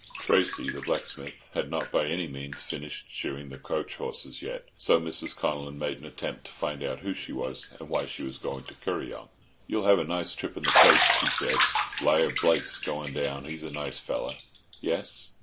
Tracey, the blacksmith, had not by any means finished shoeing the coach horse yet. So Mrs. Connellan made an attempt to find out who she was, and why she was going to Kuryong. "You'll have a nice trip in the coach," she said. "Lier (lawyer) Blake's going down. He's a nice feller." "Yes?"